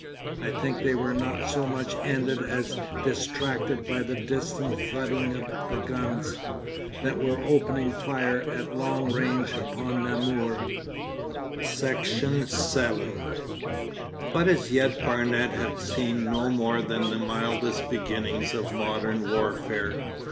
I think they were not so much ended as distracted by the distant thudding of the guns that were opening fire at long range upon Namur.' Section 7 But as yet Barnet had seen no more than the mildest beginnings of modern warfare.